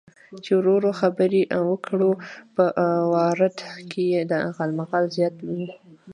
چې ورو ورو خبرې وکړو، په وارډ کې یې غالمغال زیات و.